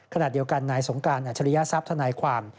ขณะเดียวกันนายสงการอัจฉริยทรัพย์ธนายความ